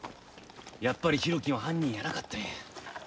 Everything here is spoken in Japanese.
やっぱり浩喜は犯人やなかったんや。